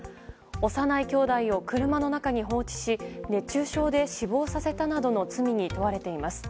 幼い姉弟を車の中に放置し熱中症で死亡させたなどの罪に問われています。